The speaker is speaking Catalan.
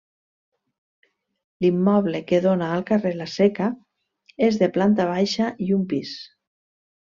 L'immoble que dóna al carrer la Seca és de planta baixa i un pis.